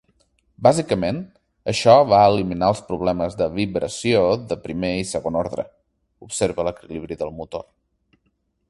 Bàsicament, això va eliminar els problemes de vibració de primer i segon ordre; observa l'equilibri del motor.